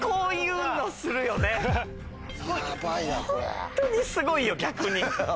ホントにすごいよ逆に。